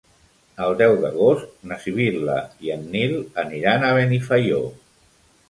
El deu d'agost na Sibil·la i en Nil aniran a Benifaió.